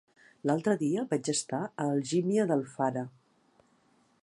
L'altre dia vaig estar a Algímia d'Alfara.